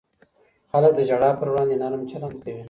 خلک د ژړا پر وړاندې نرم چلند کوي.